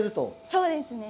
そうですね。